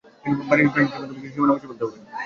বাণিজ্য ও ট্রানজিটের মাধ্যমে কিছু সীমানা মুছে ফেলতে হবে।